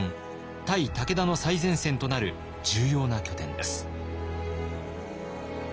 対武田の最前線となる重要な拠点です。